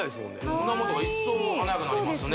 胸元が一層華やかになりますね